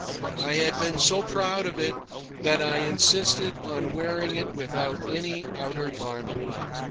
I had been so proud of it that I insisted on wearing it without any outer garment.